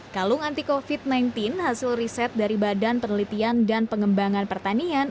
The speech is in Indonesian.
kalung anti covid sembilan belas hasil riset dari badan penelitian dan pengembangan pertanian